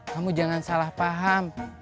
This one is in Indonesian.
kamu jangan salah paham